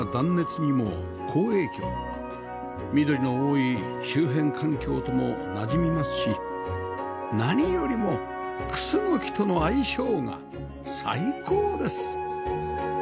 緑の多い周辺環境ともなじみますし何よりもクスノキとの相性が最高です！